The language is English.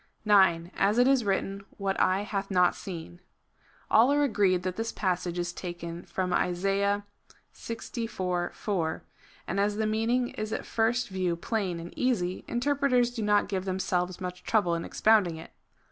9. ^5 it is written, "What eye hath not seen." All are agreed that this passage is taken from Isaiah Ixiv. 4, and as the meaning is at first view plain and easy, interpreters do not give themselves much trouble in expounding it.